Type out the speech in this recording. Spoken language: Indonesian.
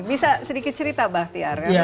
bisa sedikit cerita bahtiar